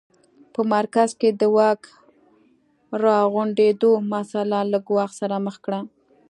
په مرکز کې د واک راغونډېدو مسٔله له ګواښ سره مخ کړه.